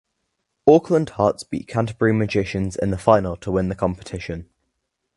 Auckland Hearts beat Canterbury Magicians in the final to win the competition.